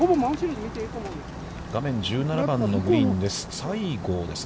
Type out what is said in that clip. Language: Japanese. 画面１７番のグリーンです。